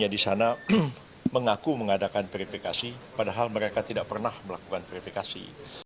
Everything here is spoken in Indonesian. di sana mengaku mengadakan verifikasi padahal mereka tidak pernah melakukan verifikasi